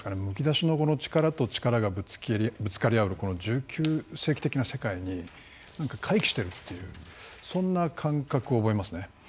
むき出しの力と力がぶつかり合う１９世紀的な世界に回帰してるっていうそんな感覚を覚えますね。